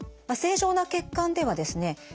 正常な血管ではですね